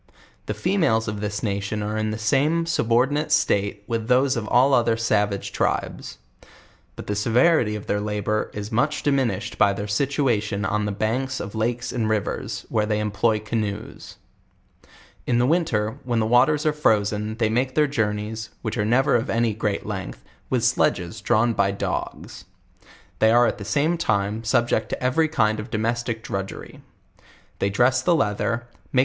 The females of this nation are in the same subordinate state with those of ail oth er savage tribes; but the severity of their labor is much di minished by their situation on the banks of lakes and rivers, where they employ canoes. In the winter, when the waters are frozen they make their journeys, which ars never of any great length, with sledges drawn by dogs. They are at the game time, subject to every kind of domestic drudgery; they dress the leather, make r.